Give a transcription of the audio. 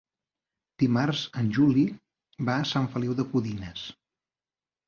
Dimarts en Juli va a Sant Feliu de Codines.